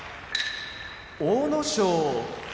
阿武咲